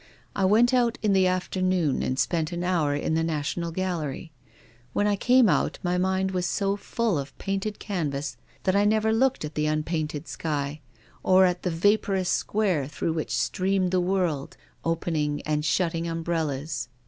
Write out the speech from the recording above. I went out in the after noon and spent an hour in the National Gallcr)\ When I came out my mind was so full of painted canvas that I never looked at the unpainted sky, or at the vaporous Square through which streamed the World, opening and shutting umbrellas.